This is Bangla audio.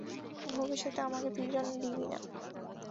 ভবিষ্যতে আমাকে পীড়ন দিবি না।